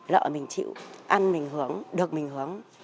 lỡ mình chịu ăn mình hưởng được mình hưởng